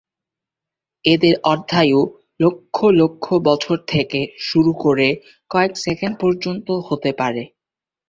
এদের অর্ধায়ু লক্ষ লক্ষ বছর থেকে শুরু করে কয়েক সেকেন্ড পর্যন্ত হতে পারে।